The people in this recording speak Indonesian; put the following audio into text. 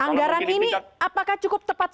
anggaran ini apakah cukup tepat